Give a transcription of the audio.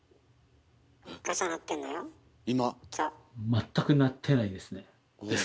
全く鳴ってないですね。ですね。